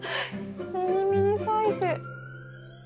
ミニミニサイズ。